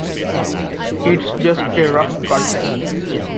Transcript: It's just a rough cut.